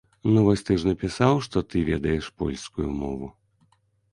Ну, вось ты ж напісаў, што ты ведаеш польскую мову.